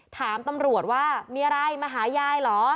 ถามตำรวจว่ามีอะไรมาหายายเหรอ